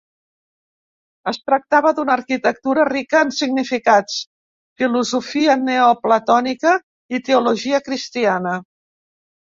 Es tractava d'una arquitectura rica en significats: filosofia neoplatònica i teologia cristiana.